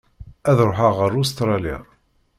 Ad ṛuḥeɣ ar Ustṛalya.